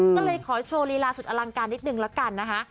ก็เลยขอโชว์ลีลาสุดอลังการนิดนึงละกันนะคะ